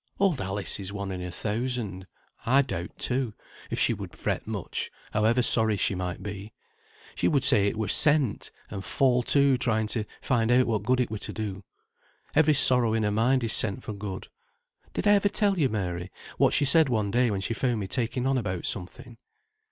"Old Alice is one in a thousand. I doubt, too, if she would fret much, however sorry she might be. She would say it were sent, and fall to trying to find out what good it were to do. Every sorrow in her mind is sent for good. Did I ever tell you, Mary, what she said one day when she found me taking on about something?"